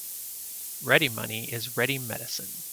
Ready money is ready medicine.